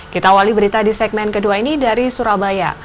kita awali berita di segmen kedua ini dari surabaya